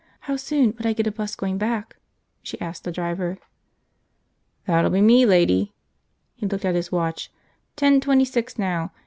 How soon would I get a bus going back?" she asked the driver. "That'll be me, lady." He looked at his watch. "Ten twenty six now.